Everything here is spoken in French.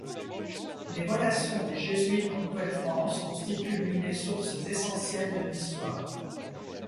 Les relations des Jésuites en Nouvelle-France constituent l'une des sources essentielles de l'histoire.